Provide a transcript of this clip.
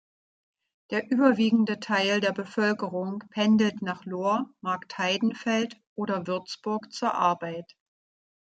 Der überwiegende Teil der Bevölkerung pendelt nach Lohr, Marktheidenfeld oder Würzburg zur Arbeit.